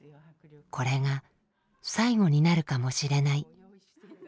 「これが最後になるかもしれない」。